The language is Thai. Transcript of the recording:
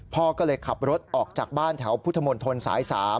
พ่อก็เลยขับรถออกจากบ้านแถวพุทธมนตรสาย๓